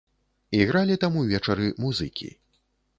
Ігралі там увечары музыкі.